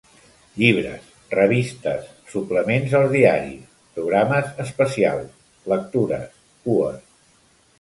Llibres revistes suplements als diaris programes especials lectures cues.